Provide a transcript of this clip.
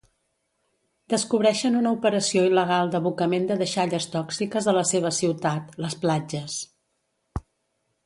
Descobreixen una operació il·legal d'abocament de deixalles tòxiques a la seva ciutat, Les Platges.